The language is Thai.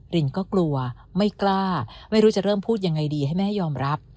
รินก็กลัวไม่กล้าไม่รู้จะเริ่มพูดยังไงดีให้แม่ยอมรับ